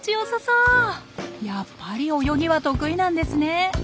やっぱり泳ぎは得意なんですね。